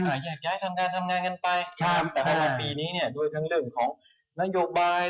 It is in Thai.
หยัดย้ายทำงานกันไปแต่ละปีนี้ด้วยทั้งเรื่องของนโยบาย